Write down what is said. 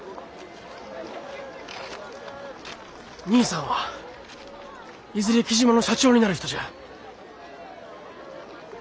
兄さんはいずれ雉真の社長になる人じゃあ。